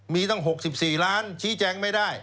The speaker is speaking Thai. มีตั้ง๖๔ล้านชี้แจงไม่ได้